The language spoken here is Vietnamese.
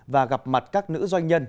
và gặp mặt các nữ doanh nhân